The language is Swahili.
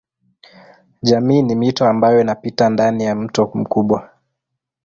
Jamii ni mito ambayo inapita ndani ya mto mkubwa.